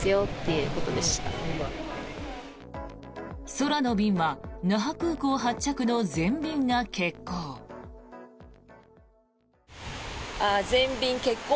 空の便は那覇空港発着の全便が欠航。